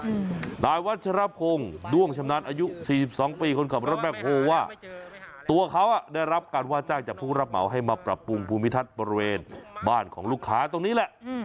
นายวัชรพงศ์ด้วงชำนาญอายุสี่สิบสองปีคนขับรถแบ็คโฮว่าตัวเขาอ่ะได้รับการว่าจ้างจากผู้รับเหมาให้มาปรับปรุงภูมิทัศน์บริเวณบ้านของลูกค้าตรงนี้แหละอืม